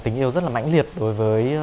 tình yêu rất là mãnh liệt đối với chủ đề này